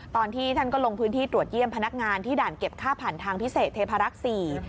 ตอนที่ท่านก็ลงพื้นที่ตรวจเยี่ยมพนักงานที่ด่านเก็บค่าผ่านทางพิเศษเทพารักษ์สี่